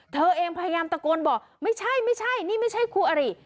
เธอเองพยายามตะโกนบอกไม่ใช่นี่ไม่ใช่ครูอารี